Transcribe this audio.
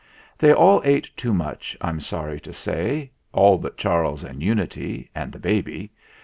They all ate too much, I'm sorry to say all but Charles and Unity and the baby.